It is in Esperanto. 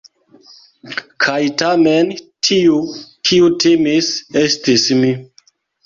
Kaj tamen, tiu, kiu timis, estis mi.